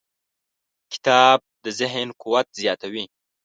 کتاب د ذهن قوت زیاتوي.